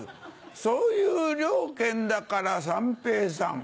そういう了見だから三平さん